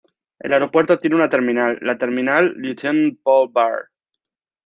El aeropuerto tiene una terminal, la Terminal Lieutenant Paul Baer.